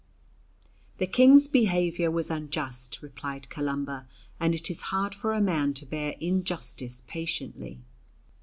"The King's behaviour was unjust," replied Columba, "and it is hard for a man to bear injustice patiently."